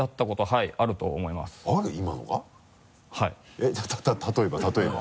えっ例えば例えば？